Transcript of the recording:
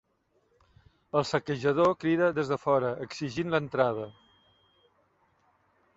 El saquejador crida des de fora, exigint l'entrada.